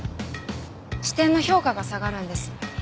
支店の評価が下がるんです。